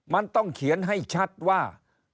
มันต้องเขียนให้ชัดว่า